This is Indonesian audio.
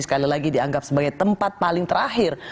sekali lagi dianggap sebagai tempat paling terakhir